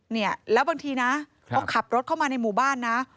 เนี่ยแล้วบางทีนะพอขับรถเข้ามาในหมู่บ้านนะ